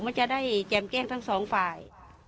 มันจะได้แจ่มแกล้งทั้งสองฝ่าย